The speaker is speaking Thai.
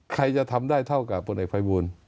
ใครจะทำได้เท่ากับผลเอกภัยบูล